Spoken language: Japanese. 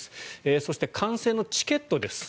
そして観戦のチケットです。